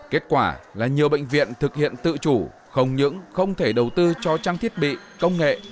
kết quả là nhiều bệnh viện thực hiện tự chủ không những không thể đầu tư cho trang thiết bị công nghệ